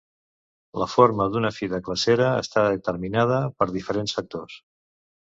La forma d'una fi de glacera està determinada per diferents factors.